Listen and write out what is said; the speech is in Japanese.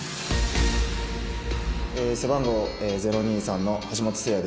背番号０２３の橋本星哉です。